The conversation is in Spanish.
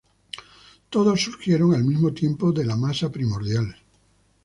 Todos surgieron al mismo tiempo de la masa primordial.